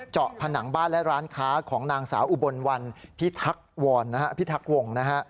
เจาะผนังบ้านและร้านค้าของนางสาวอุบลวันพิทักวง